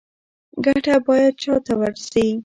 ګټه باید چا ته ورسي؟